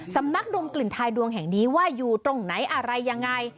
สำนักดมกลิ่นทายดวงแห่งนี้ว่าอยู่ตรงไหนอะไรยังไง